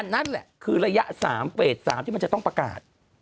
นั่นแหละคือระยะ๓เฟส๓ที่มันจะต้องประกาศ